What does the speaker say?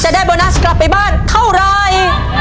ได้โบนัสกลับไปบ้านเท่าไร